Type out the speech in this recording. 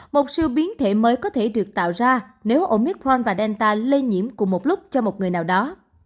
một sự biến thể mới có thể được tạo ra nếu omicron và delta lây nhiễm cùng một lúc cho một người nào đó